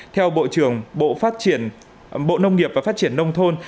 theo bộ nông nghiệp và phát triển nông thôn